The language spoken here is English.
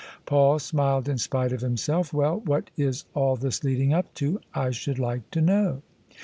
Paul smiled in spite of himself. " Well, what is all this leading up to, I should like to know?